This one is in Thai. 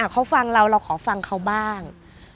เขาฟังเราเราขอฟังเขาบ้าง